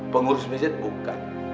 pengurus mesjid bukan